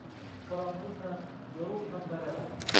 Qorong`i ham, yorug` ham baravar